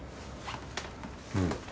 うん。